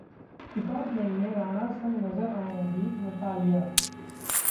'department' में राणा संग नजर आएंगी नतालिया